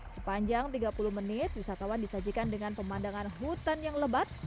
sepanjang tiga puluh menit wisatawan disajikan dengan pemandangan hutan yang lebat